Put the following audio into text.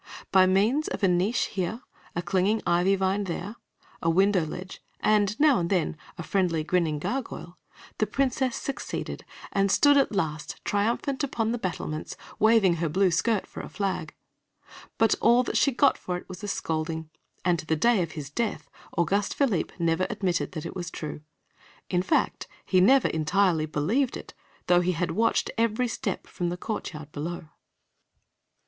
By means of a niche here, a clinging ivy vine there, a window ledge, and, now and then, a friendly, grinning gargoyle, the Princess succeeded, and stood at last triumphant upon the battlements, waving her blue skirt for a flag. But all that she got for it was a scolding, and, to the day of his death, Auguste Philippe never admitted that it was true. In fact, he never entirely believed it, though he had watched every step from the courtyard below.